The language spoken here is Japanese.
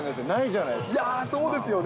なんそうですよね。